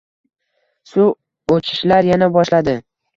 Suv oʻchishlar yana boshladi.